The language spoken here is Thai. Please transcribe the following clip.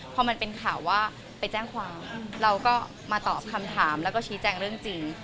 พอมันเป็นข่าวว่าไปแจ้งความเราก็มาตอบคำถามแล้วก็ชี้แจงเรื่องจริง